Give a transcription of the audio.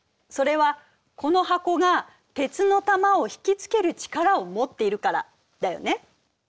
それはこの箱が鉄の球を引き付ける力を持っているからだよね？